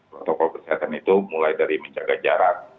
protokol kesehatan itu mulai dari menjaga jarak